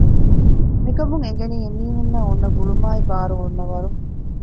މިކަމުން އެނގެނީ އެމީހުންނާއި އޮންނަ ގުޅުމާއި ބާރު އޮންނަ ވަރު